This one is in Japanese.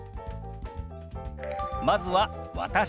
まずは「私」。